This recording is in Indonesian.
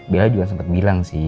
bella juga sempat bilang sih